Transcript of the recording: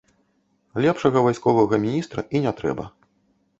Лепшага вайсковага міністра і не трэба.